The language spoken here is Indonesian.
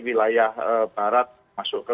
wilayah barat masuk ke